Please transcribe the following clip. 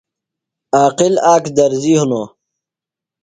عاقل آک درزی ہِنوۡ۔